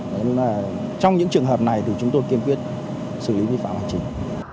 nên là trong những trường hợp này thì chúng tôi kiên quyết xử lý vi phạm hoàn chỉnh